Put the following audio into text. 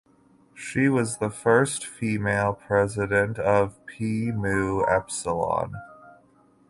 She was the first female president of Pi Mu Epsilon.